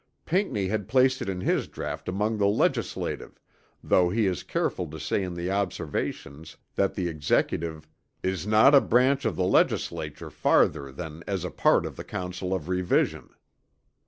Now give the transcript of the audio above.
Pinckney had placed it in his draught among the legislative, though he is careful to say in the Observations that the Executive "is not a branch of the Legislature farther than as a part of the council of revision."